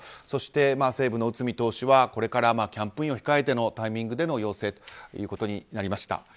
そして西部の内海投手はこれからキャンプインを控えてのタイミングでの陽性ということになりました。